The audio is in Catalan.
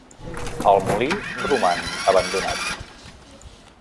El molí roman abandonat.